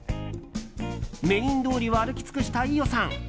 メイン通りを歩き尽くした飯尾さん。